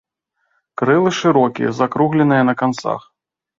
Крылы шырокія, закругленыя на канцах.